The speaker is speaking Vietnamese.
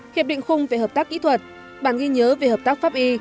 hiệp định khung về hợp tác kỹ thuật bản ghi nhớ về hợp tác pháp y